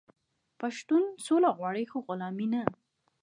پښتون سوله غواړي خو غلامي نه.